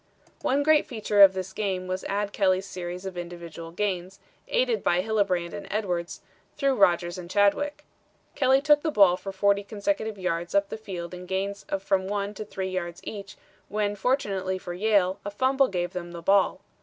"One great feature of this game was Ad Kelly's series of individual gains, aided by Hillebrand and Edwards, through Rodgers and Chadwick. Kelly took the ball for 40 consecutive yards up the field in gains of from one to three yards each, when fortunately for Yale, a fumble gave them the ball.